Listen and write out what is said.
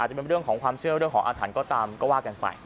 จะเป็นเรื่องของความเชื่อเรื่องของอาถรรพ์ก็ตามก็ว่ากันไป